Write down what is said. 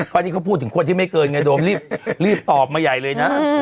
เพราะนี่เขาพูดถึงคนที่ไม่เกินไงโดมรีบตอบมาใหญ่เลยนะ